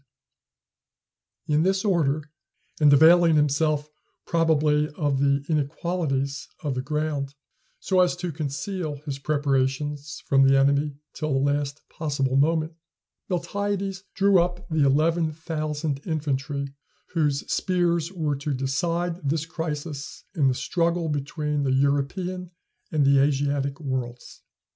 ] In this order, and availing himself probably of the inequalities of the ground, so as to conceal his preparations from the enemy till the last possible moment, Miltiades drew up the eleven thousand infantry whose spears were to decide this crisis in the struggle between the European and the Asiatic worlds.